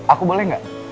aku boleh gak